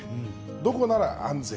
どこなら安全？